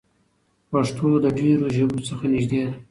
پښتو له ډېرو ژبو څخه نږدې ده.